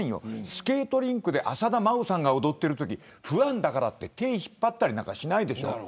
スケートリンクで浅田真央さんが踊ってるときファンだからって手を引っ張ったりしないでしょう。